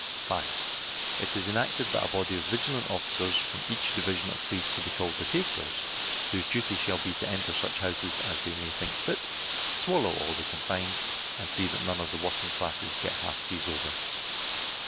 5. It is enacted that a body of vigilant officers from each, division of police to be called the tasters, whose duty shall be to enter such houses as they may think fit, swallow all they can find, and see that none of the working classes get half seas over.